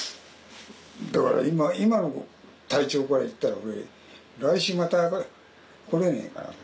今の体調からいったら俺来週また来れねえかな。